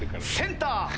センター